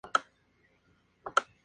Se retiró en el León de Huánuco de Perú.